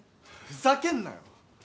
ふざけんなよ！